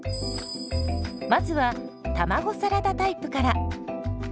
まずは卵サラダタイプから。